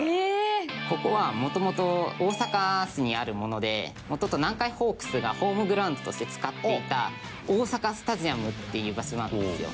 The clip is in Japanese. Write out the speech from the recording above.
ここはもともと大阪市にあるものでもともと南海ホークスがホームグラウンドとして使っていた大阪スタヂアムっていう場所なんですよ。